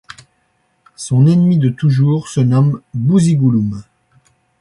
Son ennemi de toujours se nomme Bouzigouloum.